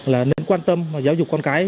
là nên quan tâm giáo dục con cái